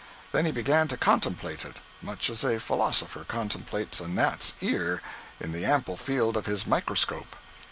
Then he began to contemplate it, much as a philosopher contemplates a gnat's ear in the ample field of his microscope.